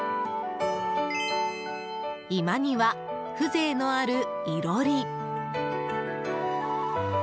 居間には風情のある囲炉裏。